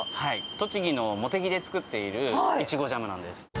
栃木の茂木で作っているいちごジャムなんです。